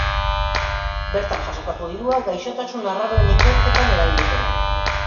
Bertan jasotako dirua gaixotasun arraroen ikerketan erabiliko da.